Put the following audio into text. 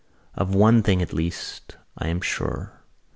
Of one thing, at least, I am sure.